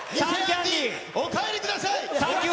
お帰りください。